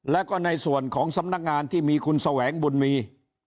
แล้วก็ในส่วนของสำนักงานที่มีคุณแสวงบุญมี